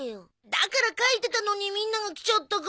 だから描いてたのにみんなが来ちゃったから。